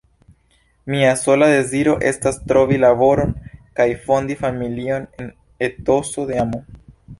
Mia sola deziro estas trovi laboron kaj fondi familion en etoso de amo.